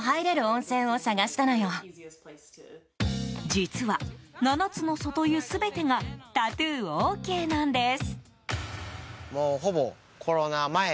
実は７つの外湯全てがタトゥーＯＫなんです。